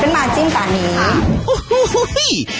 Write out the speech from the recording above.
เป็นมานจิ้มตอนนี้